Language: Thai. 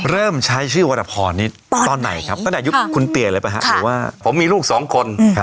เริ่มใช้ชื่อวรพรนี่ตอนไหนครับตั้งแต่ยุคคุณเตี๋ยเลยป่ะครับหรือว่าผมมีลูกสองคน